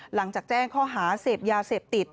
หลังจากแจ้งข้อหาเสพยาเสพติด